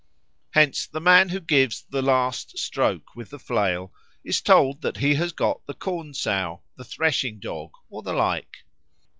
Hence the man who gives the last stroke with the flail is told that he has got the Corn sow, the Threshing dog, or the like.